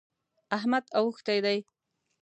احمد اوښتی دی.